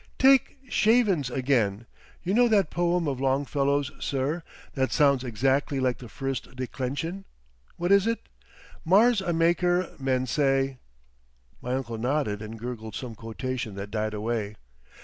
"Take shavin's, again! You know that poem of Longfellow's, sir, that sounds exactly like the first declension. What is it?—'Marr's a maker, men say!'" My uncle nodded and gurgled some quotation that died away.